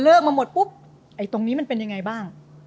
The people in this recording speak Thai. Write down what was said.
มาหมดปุ๊บไอ้ตรงนี้มันเป็นยังไงบ้าง